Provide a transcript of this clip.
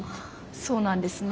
そうなんですね。